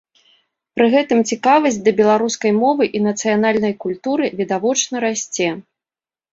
Пры гэтым цікавасць да беларускай мовы і нацыянальнай культуры відавочна расце.